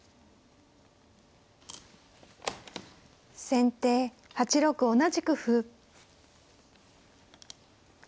先手８六同じく歩。